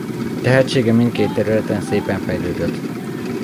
Tehetsége mindkét területen szépen fejlődött.